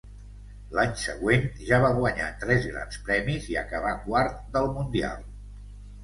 L'any següent ja va guanyar tres Grans Premis i acabà quart del Mundial.